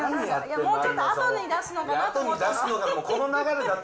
もうちょっとあとに出すのかなと思って。